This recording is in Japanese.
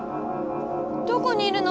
どこにいるの？